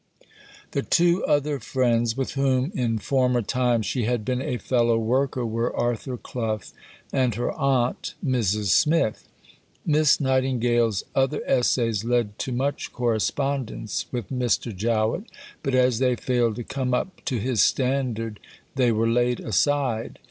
The two other friends with whom in former time she had been a fellow worker were Arthur Clough and her Aunt, Mrs. Smith. Miss Nightingale's other Essays led to much correspondence with Mr. Jowett, but as they failed to come up to his standard they were laid aside.